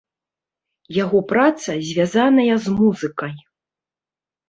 Яго праца звязаная з музыкай.